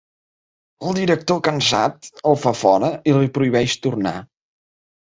El director, cansat, el fa fora i li prohibeix tornar.